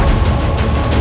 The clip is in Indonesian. ini adalah padaku